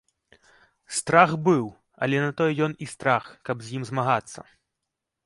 Страх быў, але на тое ён і страх, каб з ім змагацца.